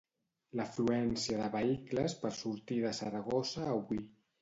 L'afluència de vehicles per sortir de Saragossa avui.